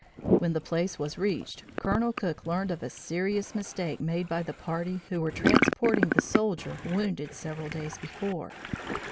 When the place was reached, Colonel Cook learned of a serious mistake made by the party who were transporting the soldier wounded several days before.